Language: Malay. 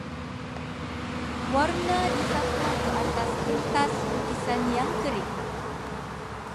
Warna disapu ke atas kertas lukisan yang kering.